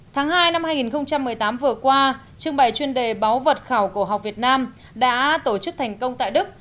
tháng hai năm hai nghìn một mươi tám vừa qua trưng bày chuyên đề báo vật khảo cổ học việt nam đã tổ chức thành công tại đức